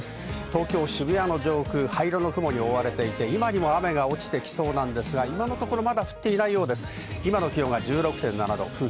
東京・渋谷の上空、灰色の雲に覆われていて、今にも雨が降ってきそうですが、今のところまだ雨が降っていないそうです。